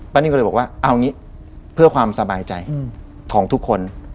นิ่มก็เลยบอกว่าเอางี้เพื่อความสบายใจของทุกคน